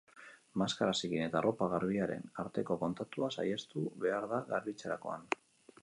Maskara zikin eta arropa garbiaren arteko kontaktua saihestu behar da garbitzerakoan.